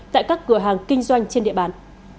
tại các cửa hàng kinh doanh trên địa bàn